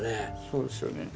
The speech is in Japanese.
そうですよね。